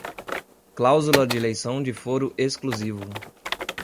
cláusula de eleição de foro exclusivo